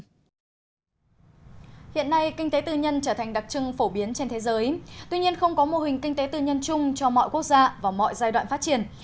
hiện nay kinh tế tư nhân trở thành đặc trưng phổ biến trên thế giới tuy nhiên không có mô hình kinh tế tư nhân chung cho mọi quốc gia vào mọi giai đoạn phát triển